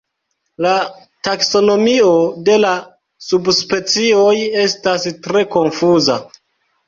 La taksonomio de la subspecioj estas tre konfuza.